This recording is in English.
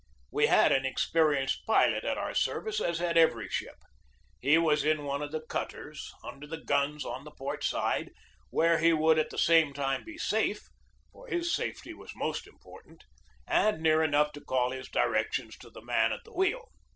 We had an experienced pilot at our service, as had every ship. He was in one of the cutters under the guns on the port side, where he would at the same time be safe for his safety was most important and near enough to call his di 88 GEORGE DEWEY rections to the man at the wheel.